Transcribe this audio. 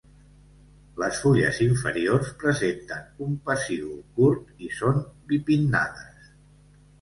Les fulles inferiors presenten un pecíol curt i són bipinnades.